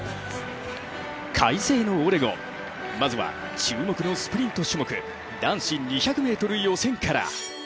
快晴のオレゴン、まずは注目のスプリント種目、男子２００ｍ予選から。